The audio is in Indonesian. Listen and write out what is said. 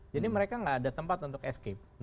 jadi mereka gak ada tempat untuk escape